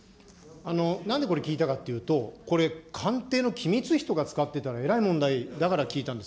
なんでこれ聞いたかというと、これ、官邸の機密費とか使ってたらえらい問題だから聞いたんです。